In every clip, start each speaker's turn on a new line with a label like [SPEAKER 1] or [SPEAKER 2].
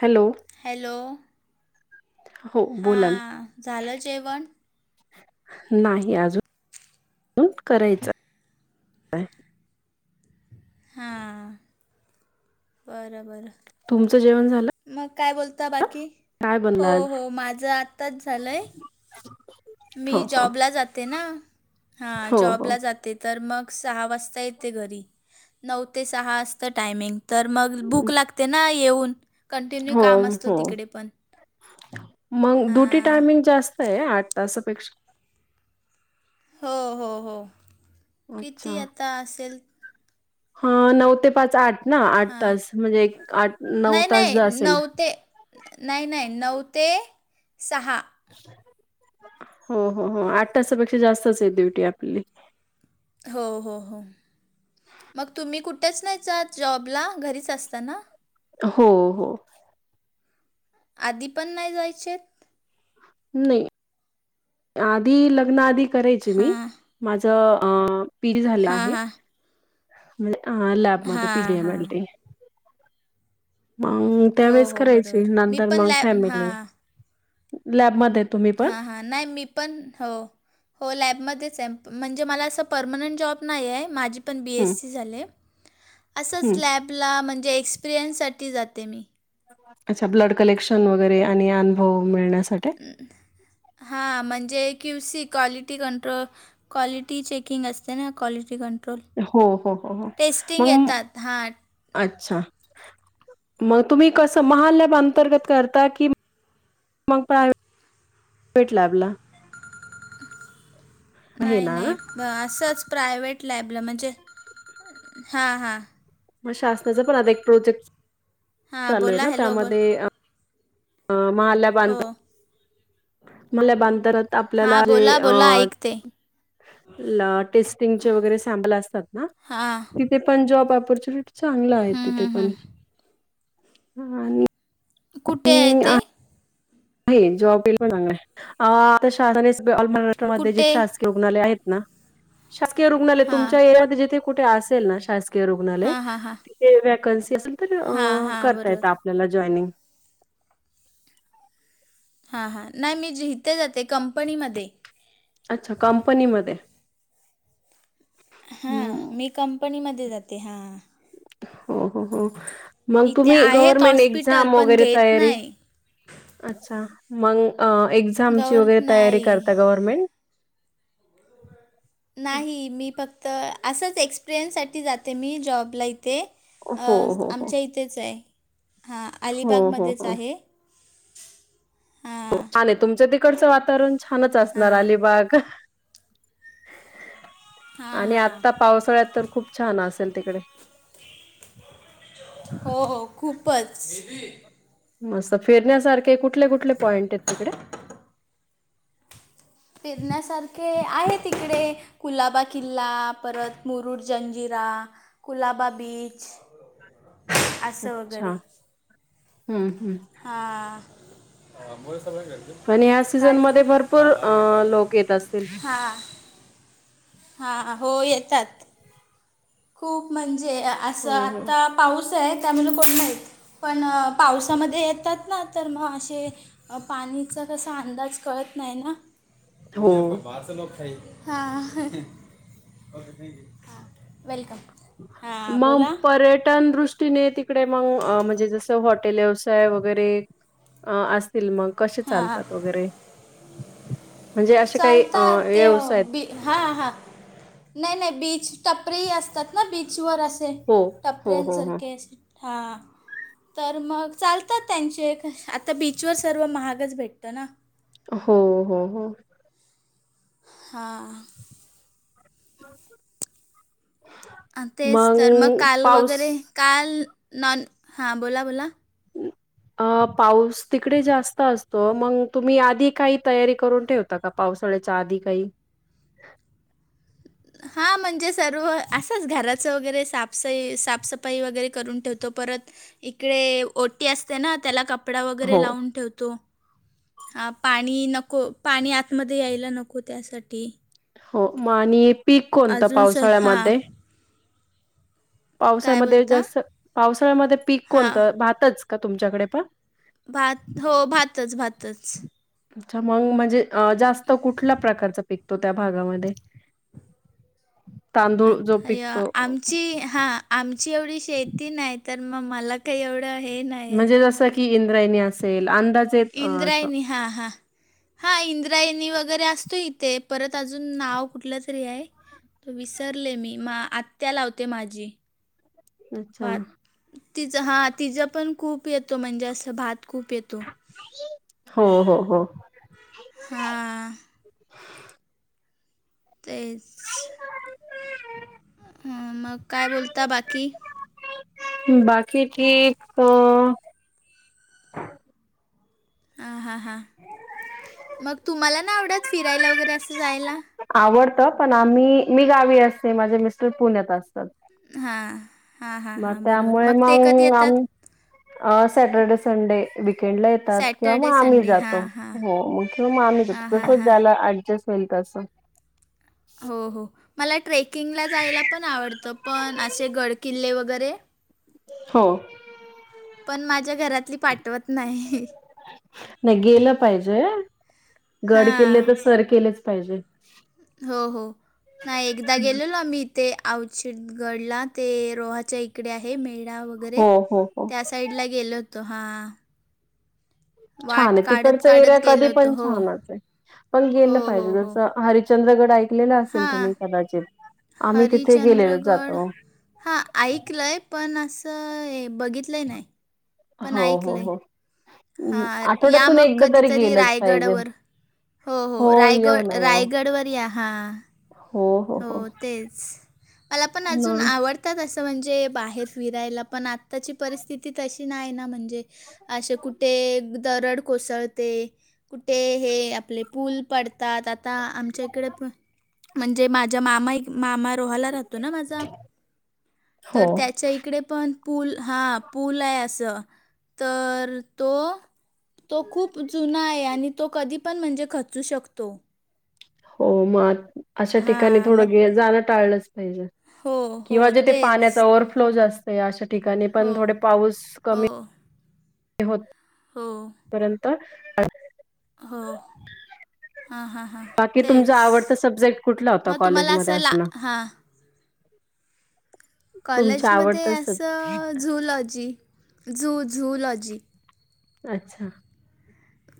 [SPEAKER 1] Hello [unintelligible]
[SPEAKER 2] hello
[SPEAKER 1] हो बोलाल
[SPEAKER 2] हां झालं जेवण [unintelligible]
[SPEAKER 1] नाही अजून करायच [unintelligible]
[SPEAKER 2] हा [unintelligible] बरं
[SPEAKER 1] तुमचं जेवण झालं
[SPEAKER 2] बरं मग काय बोलता बाकी [unintelligible]
[SPEAKER 1] काय
[SPEAKER 2] हो
[SPEAKER 1] बनलं आज
[SPEAKER 2] हो माझं आत्ताच झालंय [unintelligible] मी
[SPEAKER 1] हो हो
[SPEAKER 2] जॉबला जाते ना [unintelligible] हा
[SPEAKER 1] हो
[SPEAKER 2] जॉबला जाते तर मग सहा वाजता येते घरी [unintelligible] नऊ ते सहा असत टायमिंग तर मग
[SPEAKER 1] हो
[SPEAKER 2] भूक लागते ना येऊन [unintelligible]
[SPEAKER 1] हो
[SPEAKER 2] काम असतो
[SPEAKER 1] हो
[SPEAKER 2] तिकडे पण
[SPEAKER 1] मग ड्युटी
[SPEAKER 2] हां
[SPEAKER 1] टायमिंग जास्त [unintelligible] आठ तापेक्षा [unintelligible]
[SPEAKER 2] हो हो हो किती आता असेल [unintelligible]
[SPEAKER 1] ह नऊ ते पाच आठ ना आठ
[SPEAKER 2] हां
[SPEAKER 1] तास म्हणजे एक आठ नऊ
[SPEAKER 2] नाही
[SPEAKER 1] तास ज
[SPEAKER 2] नाही
[SPEAKER 1] असेल
[SPEAKER 2] नऊ
[SPEAKER 1] [unintelligible]
[SPEAKER 2] ते नाही नाही नऊ ते सहा [unintelligible]
[SPEAKER 1] हो हो हो आठ तासापेक्षा जास्तच आहे ड्युटी आपली [unintelligible]
[SPEAKER 2] हो हो हो मग तुम्ही कुठेच नाही चत जॉबला घरीच असताना
[SPEAKER 1] हो हो [unintelligible]
[SPEAKER 2] आधी पण नाही जायचे [unintelligible]
[SPEAKER 1] नाही [unintelligible] आधी लग्न आधी करायचे मी
[SPEAKER 2] हां,
[SPEAKER 1] माझं पी जी झालं
[SPEAKER 2] हां,
[SPEAKER 1] आहे
[SPEAKER 2] हां.
[SPEAKER 1] [unintelligible] म्हजे ह लाॅब म
[SPEAKER 2] हां,
[SPEAKER 1] पिडया
[SPEAKER 2] हां.
[SPEAKER 1] मॅले [unintelligible] मग
[SPEAKER 2] हो,
[SPEAKER 1] त्यावेेळेस
[SPEAKER 2] हो,
[SPEAKER 1] करायची
[SPEAKER 2] बरोबर. मी
[SPEAKER 1] नंतर
[SPEAKER 2] पण
[SPEAKER 1] मग
[SPEAKER 2] लॅब
[SPEAKER 1] फॅमिली
[SPEAKER 2] हां,
[SPEAKER 1] [unintelligible] लॅबमध्ये तुम्ही पण
[SPEAKER 2] हां,
[SPEAKER 1] [unintelligible]
[SPEAKER 2] हां. नाही मी पण हो [unintelligible] हो लॅबमध्येच आहे म्हणजे मला असं परर्मनंट जॉब नाही आहे माझी [unintelligible] पण बी
[SPEAKER 1] हम्म
[SPEAKER 2] एस सी झाले असंच
[SPEAKER 1] हम्म
[SPEAKER 2] लॅबला म्हणजे एक्सपिरियन्ससाठी जाते मी
[SPEAKER 1] अच्छा ब्लड कलेक्शन वगैरे आणि अनुभव मिळण्यासाठी [unintelligible]
[SPEAKER 2] हां म्हणजे Q C quality control [unintelligible] quality checking असते ना क्वालिटी कं [unintelligible]
[SPEAKER 1] हो हो हो हो मग [unintelligible]
[SPEAKER 2] येतात. हां.
[SPEAKER 1] अच्छा मग तुम्ही कस महालब अंतर्गत करता की [unintelligible] मग प्रा प्रट लॅबला [unintelligible] आहे
[SPEAKER 2] नाही
[SPEAKER 1] ना
[SPEAKER 2] नाही ब असंच प्रायव्हेट लाॅबलं म्हणजे हां हां [unintelligible]
[SPEAKER 1] मग शासनाचा पण आता एक प्रोजेक्ट
[SPEAKER 2] हां
[SPEAKER 1] चालू आहे
[SPEAKER 2] बोला
[SPEAKER 1] ना
[SPEAKER 2] हॅलो बोल
[SPEAKER 1] त्यामध्ये [unintelligible] ह माला [unintelligible]
[SPEAKER 2] हो [unintelligible]
[SPEAKER 1] म्हणल्या बांतरात
[SPEAKER 2] हां
[SPEAKER 1] आपल्याला जे
[SPEAKER 2] बोला बोला
[SPEAKER 1] अ
[SPEAKER 2] ऐकते
[SPEAKER 1] [unintelligible] टेस्टिंगचे वगैरे सॅमप असतात ना
[SPEAKER 2] हां
[SPEAKER 1] त [unintelligible] ते पण जॉब पॉर्चुनिटी चांगला आहे
[SPEAKER 2] हं.
[SPEAKER 1] तिथे पण [unintelligible]
[SPEAKER 2] कुठे ऐ ते [unintelligible]
[SPEAKER 1] ह जॉब बलय आता शास महाराष्ट्रामध्ये ज
[SPEAKER 2] कुठे
[SPEAKER 1] शासकीय रुग्णालय आहेत ना शासकीय रुग्णालय
[SPEAKER 2] हां
[SPEAKER 1] तुमच्या यात जिथे कुठे असेल ना शासकीय रुग्णालय
[SPEAKER 2] हां हां हां
[SPEAKER 1] [unintelligible] ते वॅकन्सी असेल तर
[SPEAKER 2] हां हां
[SPEAKER 1] करता येत
[SPEAKER 2] बरोबर
[SPEAKER 1] आपल्याला जॉईनिंग [unintelligible]
[SPEAKER 2] हां हां नाही मी ज इथे जाते कंपनीमध्ये [unintelligible]
[SPEAKER 1] अच्छा कंपनीमध्ये [unintelligible]
[SPEAKER 2] हा
[SPEAKER 1] हम्म
[SPEAKER 2] मी कंपनीमध्ये जाते हा [unintelligible]
[SPEAKER 1] हो हो हो मग
[SPEAKER 2] इथे
[SPEAKER 1] तुम्ही
[SPEAKER 2] आहेत
[SPEAKER 1] गव्हर्मेंट
[SPEAKER 2] हॉस्पिटल
[SPEAKER 1] एक्झाम
[SPEAKER 2] पण
[SPEAKER 1] वगैरे
[SPEAKER 2] घेत
[SPEAKER 1] तयारी
[SPEAKER 2] नाही
[SPEAKER 1] [unintelligible] अच्छ मग एझामची
[SPEAKER 2] गवर
[SPEAKER 1] वगरे तयारी
[SPEAKER 2] नाही
[SPEAKER 1] करता गव्हर्मेंट [unintelligible]
[SPEAKER 2] नाही मी फक्त असंच एक्सपिरियन्ससाठी जाते मी जॉबला इथे
[SPEAKER 1] हो
[SPEAKER 2] [unintelligible] अ
[SPEAKER 1] हो हो
[SPEAKER 2] आमच्या इथेच आहे हा
[SPEAKER 1] हो हो
[SPEAKER 2] अलिबागमध्येच
[SPEAKER 1] हो
[SPEAKER 2] आहे [unintelligible] हां
[SPEAKER 1] छान आहे तुमच्या तिकडचं वातावरण छानच असणार
[SPEAKER 2] हां
[SPEAKER 1] अलिबाग [unintelligible]
[SPEAKER 2] हां
[SPEAKER 1] आणि
[SPEAKER 2] हां
[SPEAKER 1] आता पावसाळ्यात तर खूप छान असेल तिकडे [unintelligible]
[SPEAKER 2] हो हो खूपच [unintelligible]
[SPEAKER 1] मस्त फिरण्यासारखे कुठले कुठले पॉईंट आहेत तिकडे [unintelligible]
[SPEAKER 2] फिरण्यासारखे आहे तिकडे [unintelligible] कुलाबा किल्ला परत मुरुड जंजीरा कुलाबा बीच असं
[SPEAKER 1] अच्छा
[SPEAKER 2] वगैरे
[SPEAKER 1] हम्म हम्म [unintelligible]
[SPEAKER 2] हा मुला सळ ग [unintelligible]
[SPEAKER 1] आणि ह्या सीझनमध्येध्ये भरपूर अ लोक येत असतील [unintelligible]
[SPEAKER 2] हा हो येतात [unintelligible] खूप म्हणजे असं
[SPEAKER 1] हं, हं.
[SPEAKER 2] आता पाऊस आहे त्यामुलं कोण नाहीत [unintelligible] पण पावसामध्ये येतात ना तर मग असे [unintelligible] अ पाणीचा कसा अंदाज कळत नाही ना [unintelligible]
[SPEAKER 1] हो
[SPEAKER 2] तुम्ही बार लो खाय ओकेथक [unintelligible] वेलकम [unintelligible]
[SPEAKER 1] मग
[SPEAKER 2] बोला
[SPEAKER 1] पर्यटन दृष्टीने त [unintelligible] तडे मग म्हणजे जस हॉटेल व्यवसाय वगैरे असतील मग [unintelligible] कसे
[SPEAKER 2] हां
[SPEAKER 1] चालतात वगैरे म्हणजे असे काही व्यवसाय [unintelligible]
[SPEAKER 2] हा हा नाही नाही बीच टपरेही असतात ना बीचवर असत
[SPEAKER 1] हो
[SPEAKER 2] [unintelligible]
[SPEAKER 1] हो हो
[SPEAKER 2] टपरनसर
[SPEAKER 1] हो
[SPEAKER 2] केेस [unintelligible] हा तर मग चालतात त्यांचे आता बीचवर सर्व महा [unintelligible] गच भेटत ना [unintelligible]
[SPEAKER 1] हो हो हो [unintelligible]
[SPEAKER 2] हा [unintelligible] ह तेच तर मग काल
[SPEAKER 1] पाऊस
[SPEAKER 2] वगैरे काल नॉन हां बोला बोला [unintelligible]
[SPEAKER 1] हम् [unintelligible] अ पाऊस तिकडे जास्त असतो मग तुम्ही आधी काही तयारी करून ठेव [unintelligible] ता का पावसाळ्याच्या आधी काही [unintelligible]
[SPEAKER 2] हा म्हणजे सर्व असंच घराचं वगैरे साफसई साफसफाई वगैरे करून ठेवतो परत इकडे ओटी असते ना त्याला कपडा वगैरे
[SPEAKER 1] हो.
[SPEAKER 2] लावून ठेवतो [unintelligible] हा पाणी नको पाणी आतमध्ये यायला नको त्यासाठी [unintelligible]
[SPEAKER 1] हो मग आणि पीक कोणतं
[SPEAKER 2] अजून सर हां,
[SPEAKER 1] पावसाळ्यामध्ये [unintelligible]
[SPEAKER 2] काय
[SPEAKER 1] पावसा्यामध्ये
[SPEAKER 2] बोलता?
[SPEAKER 1] जास्त पावसाळ्यामध्ये पीक
[SPEAKER 2] हां,
[SPEAKER 1] कोणतं भातच का तुमच्याकडे पण [unintelligible]
[SPEAKER 2] भात हो भातच भातच [unintelligible]
[SPEAKER 1] अच्छा मग म्हणजे अ जास्त कुठल्या प्रकारचा पिकतो त्या भागामध्ये [unintelligible] [unintelligible] तांदूळ जो
[SPEAKER 2] आता
[SPEAKER 1] पिकतो
[SPEAKER 2] आमची हा [unintelligible] आमची एवढी शेती नाही तर मग मला काही एवढं हे नाही [unintelligible]
[SPEAKER 1] म्हणजे जसं की इंद्रायणी असेल अंदाज [unintelligible]
[SPEAKER 2] इंद्रायणी हां हां [unintelligible] हा इंद्रायणी वगैरे असतो इथे परत अजून नाव कुठलं तरी आहे. [unintelligible] विसरले मी आत्त्या लावते माझी. [unintelligible]
[SPEAKER 1] अच्छा
[SPEAKER 2] भात तिचं हा तिचं पण खूप येतो म्हणजे असं भात खूप येतो [unintelligible]
[SPEAKER 1] हो हो हो [unintelligible]
[SPEAKER 2] हा [unintelligible] तेस [unintelligible]
[SPEAKER 1] [unintelligible]
[SPEAKER 2] मग काय बोलता बाकी. [unintelligible]
[SPEAKER 1] बाकी ठीक हो [unintelligible]
[SPEAKER 2] हां हां हां मग तुम्हाला नाही आवडत फिरायला वगैरे असं जायला. [unintelligible]
[SPEAKER 1] आवडत. पण आम्ही मी गावी असते माझे मिस्टर पुण्यात असतात. [unintelligible]
[SPEAKER 2] हा [unintelligible]
[SPEAKER 1] मग त्यामुळे मग सॅटर्डे संडे वीक [unintelligible] खेड ला येतात. किंवा
[SPEAKER 2] सॅटर्डे
[SPEAKER 1] मग आम्ही
[SPEAKER 2] संडे
[SPEAKER 1] जातो
[SPEAKER 2] हां हां
[SPEAKER 1] हो मग तो माणूस
[SPEAKER 2] हां हां
[SPEAKER 1] खुश
[SPEAKER 2] हां
[SPEAKER 1] झाला [unintelligible] वेलत अस [unintelligible] [unintelligible]
[SPEAKER 2] हो हो मला ट्रेकिंगला जायला पण आवडतं पण असे गड किल्ले वगैरे [unintelligible]
[SPEAKER 1] हो [unintelligible]
[SPEAKER 2] पण माझ्या घरातली पाठवत [unintelligible]
[SPEAKER 1] नाही गेलं पाहिजे गड केले
[SPEAKER 2] हां.
[SPEAKER 1] तर [unintelligible] सर केलेच पाहिजे. [unintelligible]
[SPEAKER 2] हो हो [unintelligible] नाही एकदा गेलेलो आम्ही इथे औचित गडला ते रोहाच्या [unintelligible] इकडे आहे मेढा वगैरे
[SPEAKER 1] हो हो हो
[SPEAKER 2] त्या साईडला गेलो होतो. हा [unintelligible]
[SPEAKER 1] छान आहे
[SPEAKER 2] काढत,
[SPEAKER 1] तिकडच एरिया
[SPEAKER 2] काढत गेलो
[SPEAKER 1] कधी
[SPEAKER 2] होतो.
[SPEAKER 1] पण
[SPEAKER 2] हो.
[SPEAKER 1] छानच आहे. पण गेलं
[SPEAKER 2] हो,
[SPEAKER 1] पाहिजे
[SPEAKER 2] हो, हो.
[SPEAKER 1] जस ह [unintelligible] चंद्रगड ऐकलेला असेल तुम्ही कदाचित [unintelligible] तिथे गेलेलो
[SPEAKER 2] हरिचंद्रगड
[SPEAKER 1] जातो
[SPEAKER 2] हा ऐकलंय. [unintelligible] पण असं हे बघितलं नाही. [unintelligible]
[SPEAKER 1] हो
[SPEAKER 2] पण
[SPEAKER 1] हो
[SPEAKER 2] ऐकलंय.
[SPEAKER 1] हो
[SPEAKER 2] हां या
[SPEAKER 1] आठवड्यातून
[SPEAKER 2] मग
[SPEAKER 1] एकदा तरी
[SPEAKER 2] कधीतरी
[SPEAKER 1] गेलंच पाहिजे.
[SPEAKER 2] रायगडवर हो हो
[SPEAKER 1] येऊ
[SPEAKER 2] रायगड
[SPEAKER 1] ना येऊ
[SPEAKER 2] रायगडवर या हा [unintelligible] हो तेच. मला पण
[SPEAKER 1] ना
[SPEAKER 2] अजून आवडते. [unintelligible] आ तसं म्हणजे बाहेर फिरायला पण आत्ताची परिस्थिती तशी नाही ना म्हणजे [unintelligible] म्हणजे असे कुठे दरड कोसळते. [unintelligible] कुठे हे आपले पूल पडतात आता आमच्या इकडे पण [unintelligible] जे माझ्या मामा [unintelligible] मामा रोहाला राहतो ना माझा.
[SPEAKER 1] हो
[SPEAKER 2] तर त्याच्या इकडे पण [unintelligible] पूल हां पूल आहे असं तर तो [unintelligible] तो खूप जुना आहे. आणि तो कधी पण म्हणजे खचू शकतो. [unintelligible]
[SPEAKER 1] हो म [unintelligible] अशा ठिकाणी
[SPEAKER 2] हां, मग
[SPEAKER 1] थोडे जाणं टाळलंच पाहिजे.
[SPEAKER 2] हो, हो,
[SPEAKER 1] किंवा जेथे पाण्याचा
[SPEAKER 2] तेच.
[SPEAKER 1] ओव्हरफ्लो जास्त अशा ठिकाणी पण
[SPEAKER 2] हो,
[SPEAKER 1] थोडे पाऊस
[SPEAKER 2] हो,
[SPEAKER 1] कमी होत [unintelligible]
[SPEAKER 2] हो [unintelligible]
[SPEAKER 1] पर्यंत [unintelligible]
[SPEAKER 2] हो [unintelligible] हां, हां, हां,
[SPEAKER 1] बाकी तुमचा
[SPEAKER 2] तेच.
[SPEAKER 1] आवडता सब्जेक्ट कुठला होता
[SPEAKER 2] मग तुम्हाला
[SPEAKER 1] कॉलेजमध्ये
[SPEAKER 2] असं ला
[SPEAKER 1] असताना. [unintelligible]
[SPEAKER 2] हां,
[SPEAKER 1] ह [inaudible] [unintelligible]
[SPEAKER 2] कॉलेजमध्ये
[SPEAKER 1] सब्
[SPEAKER 2] असं झुलॉजी झू झुलॉजी. [unintelligible]
[SPEAKER 1] अच्छा. [unintelligible]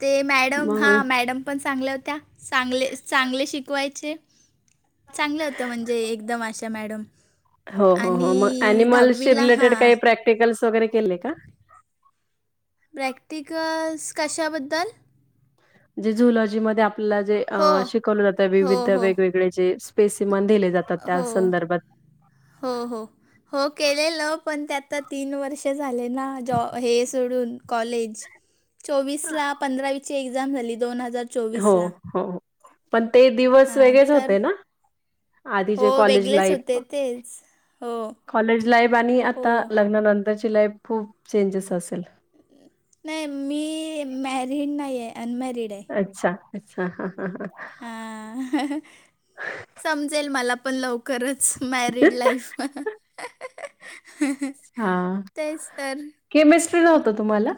[SPEAKER 2] ते मॅडम हा
[SPEAKER 1] मग
[SPEAKER 2] मॅडम पण चांगल्या होत्या चांगले चांगले शिकवायचे [unintelligible] चांगल्या होते्या म्हणजे एकदम अशा मॅडम [unintelligible]
[SPEAKER 1] हो हो हो
[SPEAKER 2] आणि
[SPEAKER 1] मग अॅनिमल्सशी
[SPEAKER 2] दहावीला हा
[SPEAKER 1] रिलेटेड काही
[SPEAKER 2] [unintelligible]
[SPEAKER 1] प्रॅक्टिकल्स वगैरे केले का [unintelligible]
[SPEAKER 2] प्रॅक्टिकस कशाबद्दल [unintelligible]
[SPEAKER 1] जे झुलॉजी मध्ये आपल्याला जे
[SPEAKER 2] हो
[SPEAKER 1] शिकवलं जातं
[SPEAKER 2] हो
[SPEAKER 1] विविध
[SPEAKER 2] हो
[SPEAKER 1] वेगवेगळे जे [unintelligible] पेसेमाण दिले जात [unintelligible]
[SPEAKER 2] हो हो हो हो केलेलं पण ते आता तीन वर्ष झाले ना जॉ हे सोडून कॉलेज.
[SPEAKER 1] [inaudible]
[SPEAKER 2] चोवीस ला पंधरावीची एक्झाम झाली दोन हजार
[SPEAKER 1] हो
[SPEAKER 2] चोवीसला
[SPEAKER 1] हो पण ते दिवस
[SPEAKER 2] हां
[SPEAKER 1] वेगळेच
[SPEAKER 2] तर
[SPEAKER 1] होते ना
[SPEAKER 2] हो
[SPEAKER 1] आधीचे कॉलेज
[SPEAKER 2] वेगळेच
[SPEAKER 1] लाईफ
[SPEAKER 2] होते तेच हो
[SPEAKER 1] कॉलेज लाईफ आणि
[SPEAKER 2] हो
[SPEAKER 1] आता लग्नानंतरची लाईफ खूप चेंजेस असेल.
[SPEAKER 2] नाही मी मॅरिड नाहीये अनमॅरिड आहे.
[SPEAKER 1] अच्छा अच्छा ह ह ह
[SPEAKER 2] हा समजेल मला पण लवकरच मॅरिड लाईफ
[SPEAKER 1] हा
[SPEAKER 2] तेच तर
[SPEAKER 1] केमिस्ट्री नव्हत तुम्हाला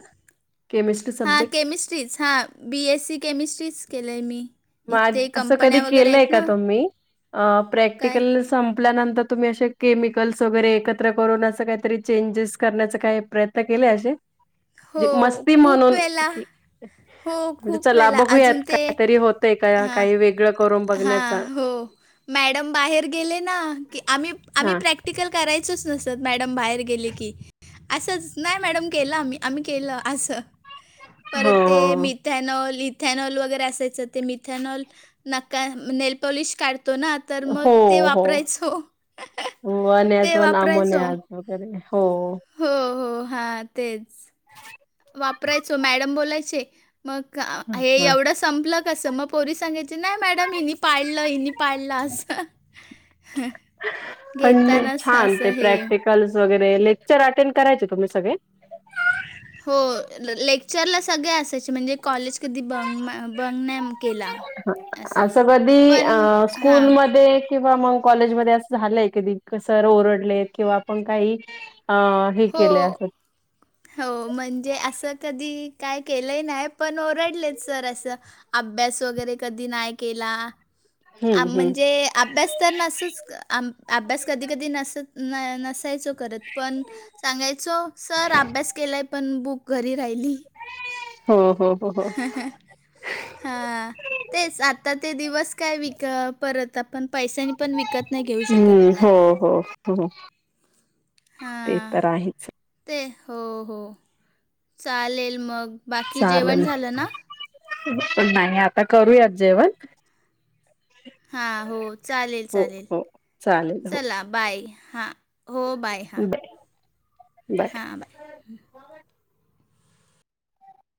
[SPEAKER 1] केमिस्ट
[SPEAKER 2] हां केमिस्ट्रीच हां बी एस सी केमिस्ट्रीच केलंय मी.
[SPEAKER 1] मार
[SPEAKER 2] इथे
[SPEAKER 1] असं कधी
[SPEAKER 2] कंपन्या वगैरे
[SPEAKER 1] केलंय
[SPEAKER 2] आहेत
[SPEAKER 1] का
[SPEAKER 2] ना,
[SPEAKER 1] तुम्ही अ
[SPEAKER 2] काय
[SPEAKER 1] प्रॅक्टिकलच संपल्यानंतर तुम्ही असे केमिकल्स वगैरे एकत्र करूनअसं कायतरी चेंजेस करण्याचा काय प्रयत् त्न केल असे जे
[SPEAKER 2] हो,
[SPEAKER 1] मस्ती
[SPEAKER 2] खूप
[SPEAKER 1] म्हणून
[SPEAKER 2] वेळेला.
[SPEAKER 1] कि
[SPEAKER 2] हो,
[SPEAKER 1] म्हणजे
[SPEAKER 2] खूप
[SPEAKER 1] चला
[SPEAKER 2] वेळेला.
[SPEAKER 1] बघूयात
[SPEAKER 2] अजून
[SPEAKER 1] काहीतरी होतंय का काही वेगळं करून
[SPEAKER 2] हा
[SPEAKER 1] बघण्याचा
[SPEAKER 2] हो मॅडम बाहेर गेले ना की आम्ही आम्ही
[SPEAKER 1] हा
[SPEAKER 2] प्रॅ प्रॅक्टिकल करायचच नसत मॅडम बाहेर गेले की, असंच नाय मॅडम केलं आम्ही आम्ही केलं असं
[SPEAKER 1] हो
[SPEAKER 2] परत ते मिथॅनॉल इथॅनॉल वगैरे असायचं ते मिथॅनॉल नका नेल पॉलिश काढतो ना तर
[SPEAKER 1] हो
[SPEAKER 2] मग ते
[SPEAKER 1] हो हो हो.
[SPEAKER 2] वापरायचो.
[SPEAKER 1] वन ऍज
[SPEAKER 2] ते वापरायचो.
[SPEAKER 1] अमोनियाज वगैरे हो
[SPEAKER 2] हो हो हा तेच वापरायचो मॅडम बोलायचे मग हे
[SPEAKER 1] ह
[SPEAKER 2] एवढं संपलं कसं म पोरी सांगायचे नाय मॅडम हिनी पाडलं हिनी पाडलं असं
[SPEAKER 1] पण
[SPEAKER 2] घेतानाच
[SPEAKER 1] छान
[SPEAKER 2] असं
[SPEAKER 1] ते
[SPEAKER 2] हे
[SPEAKER 1] प्रॅक्टिकल वगैरे लेक्चर अटेंड करायचे तुम्ही सगळे.
[SPEAKER 2] हो ले लेक्चर ला सगळे असायचे. म्हणजे कॉलेज कधी बंग ना बंग नाय म केला.
[SPEAKER 1] असं कधीअ
[SPEAKER 2] पण
[SPEAKER 1] स्कूल
[SPEAKER 2] हां.
[SPEAKER 1] म किंवा मंग कॉलेज मध्ये असं झालंय कधी सर ओरडले किंवा आपण काही अ हे
[SPEAKER 2] हो.
[SPEAKER 1] केले असं
[SPEAKER 2] हो म्हणजे असं कधी काय केलंय नाय पण ओरडलेत सर असं अभ्यास वगैरे कधी नाय केला.
[SPEAKER 1] हम्म हम्म
[SPEAKER 2] म्हणजे अभ्यास तर नअसच आम अभ्यास कधी कधी नसत न नसायचो करत पण सांगायचो सर अभ्यास केलाय पण बुक घरी राहिली.
[SPEAKER 1] हो हो हो हो.
[SPEAKER 2] हा तेच आता ते दिवस काय विक परत आपण पैशांनी पण विकत नाय घेऊ शकत.
[SPEAKER 1] हो हो. खरंच
[SPEAKER 2] हा ते हो हो चालेल मग बाकी जेवण
[SPEAKER 1] चालल
[SPEAKER 2] झालं ना?
[SPEAKER 1] तुम्ही पण नाय म आता करूयात जेवण
[SPEAKER 2] हा हो चालेल
[SPEAKER 1] हो
[SPEAKER 2] चालेल
[SPEAKER 1] हो चालेल हो
[SPEAKER 2] चला बाय हा हो बाय. हां,
[SPEAKER 1] बाय जाते.
[SPEAKER 2] हां बाय.